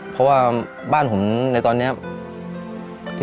เพราะว่าบ้านผมในตอนนี้